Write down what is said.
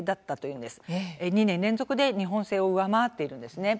２年連続で日本製を上回っているんです。